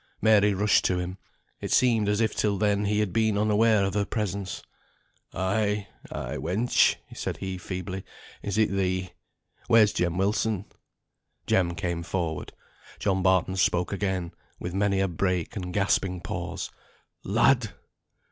Mary rushed to him. It seemed as if till then he had been unaware of her presence. "Ay, ay, wench!" said he feebly, "is it thee? Where's Jem Wilson?" Jem came forward. John Barton spoke again, with many a break and gasping pause, "Lad!